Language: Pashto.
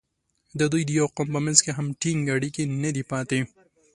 د دوی د یوه قوم په منځ کې هم ټینګ اړیکې نه دي پاتې.